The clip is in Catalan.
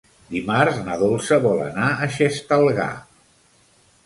Dimarts na Dolça vol anar a Xestalgar.